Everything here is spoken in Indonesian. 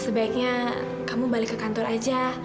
sebaiknya kamu balik ke kantor aja